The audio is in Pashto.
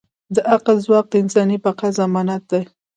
د عقل ځواک د انساني بقا ضمانت دی.